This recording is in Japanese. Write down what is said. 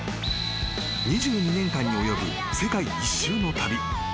［２２年間に及ぶ世界一周の旅］